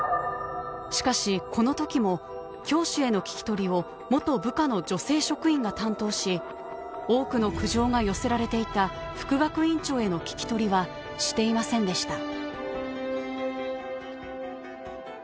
しかしこの時も教師への聞き取りを元部下の女性職員が担当し多くの苦情が寄せられていた副学院長への聞き取りはしていませんでした。